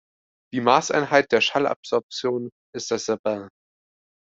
Die Maßeinheit der Schallabsorption ist das Sabin.